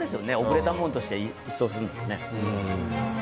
遅れたものとして一掃するのはね。